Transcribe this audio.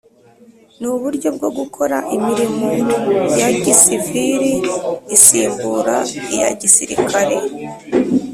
Ni uburyo bwo gukora imirimo ya gisivili isimbura iya gisirikare